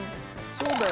そうだよ。